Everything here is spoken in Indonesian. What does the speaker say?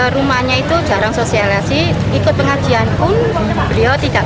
rumahnya itu jarang sosialisasi ikut pengajian pun beliau tidak